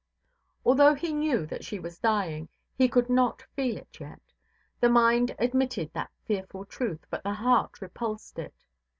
Although he knew that she was dying, he could not feel it yet; the mind admitted that fearful truth, but the heart repulsed it.